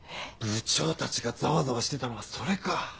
部長たちがザワザワしてたのはそれか。